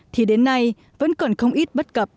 thì đến nay vẫn còn không ít bất cập